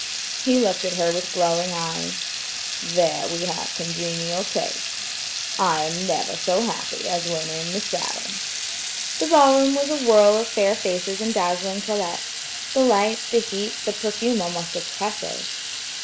He looked at her with glowing eyes: "There we have congenial tastes. I am never so happy as when in the saddle." The ball room was a whirl of fair faces and dazzling toilets–the light, the heat, the perfume almost oppressive.